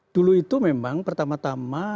dulu itu memang pertama tama